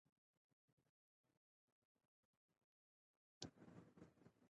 دوی به د جګړې میدان ته ورتللې.